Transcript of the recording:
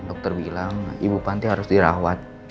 dokter bilang ibu panti harus dirawat